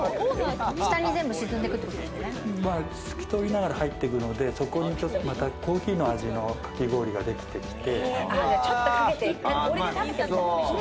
透き通りながら入っていくので、そこのコーヒーの味のかき氷ができてきて。